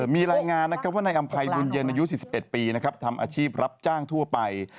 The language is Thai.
มีรายงานนะครับว่านายอำภัยบุญเย็นอายุ๔๑ปีนะครับทำอาชีพรับจ้างทั่วไป